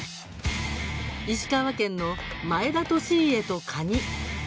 石川県の２か月前田利家とカニ。